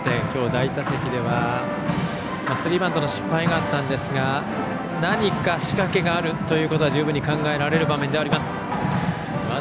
今日第１打席ではスリーバントの失敗がありましたが何か仕掛けがあるということは十分に考えられる場面です。